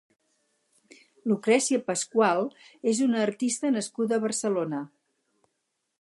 Lucrecia Pascual és una artista nascuda a Barcelona.